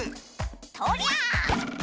とりゃあ！